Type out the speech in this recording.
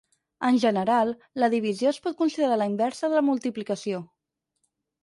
En general, la divisió es pot considerar la inversa de la multiplicació.